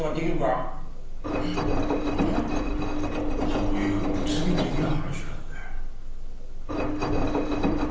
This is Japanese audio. そういう物理的な話なんだよ。